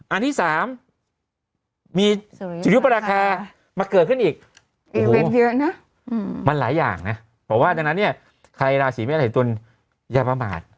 อันที่สามมีสุริยุปราคามาเกิดขึ้นอีกมันหลายอย่างนะเพราะว่าดังนั้นใครลาศีเมฆเหตุญาประมาท